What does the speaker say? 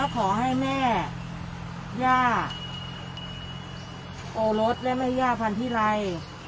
ขอให้แม่ย่าโอรสและแม่ย่าพันธิไร